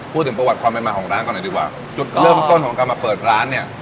พูดถึงประวัติความเป็นมาของร้านก่อนหน่อยดีกว่าจุดเริ่มต้นของการมาเปิดร้านเนี่ย